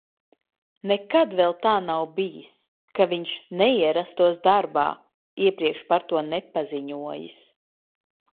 Nekad vēl tā nav bijis, ka viņš neierastos darbā, iepriekš par to nepaziņojis.